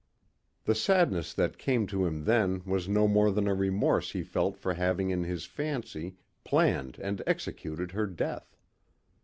The sadness that came to him then was no more than a remorse he felt for having in his fancy planned and executed her death.